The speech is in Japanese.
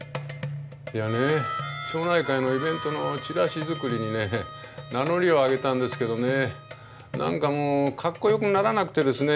いやね町内会のイベントのチラシ作りにね名乗りを上げたんですけどね何かもうカッコよくならなくってですね。